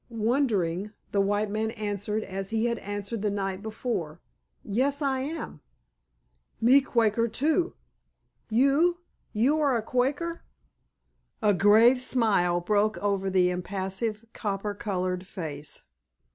Wondering, the white man answered as he had answered the night before, "Yes, I am." "Me Quaker too." "You? You a Quaker?" A grave smile broke over the impassive, copper colored face.